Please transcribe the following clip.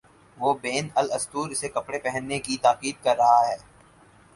وہ بین السطور اسے کپڑے پہنانے کی تاکید کر رہا ہے۔